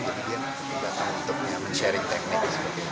jadi dia datang untuk men sharing teknik